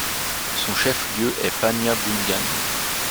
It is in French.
Son chef-lieu est Panyabungan.